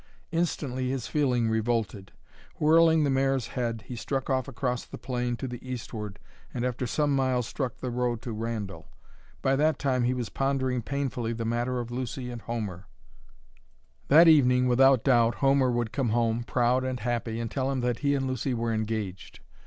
Instantly his feeling revolted. Whirling the mare's head he struck off across the plain to the eastward and after some miles struck the road to Randall. By that time he was pondering painfully the matter of Lucy and Homer. That evening, without doubt, Homer would come home, proud and happy, and tell him that he and Lucy were engaged.